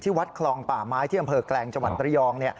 วัดคลองป่าไม้ที่อำเภอแกลงจังหวัดประยอง